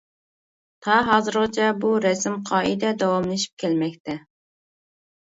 تا ھازىرغىچە بۇ رەسىم-قائىدە داۋاملىشىپ كەلمەكتە.